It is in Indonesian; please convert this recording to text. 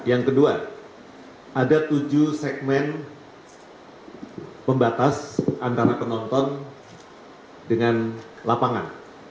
yang kedua ada tujuh segmen pembatas antara penonton dengan lapangan